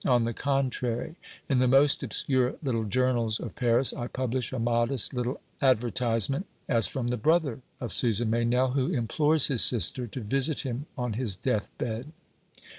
On the contrary, in the most obscure little journals of Paris I publish a modest little advertisement as from the brother of Susan Meynell, who implores his sister to visit him on his deathbed.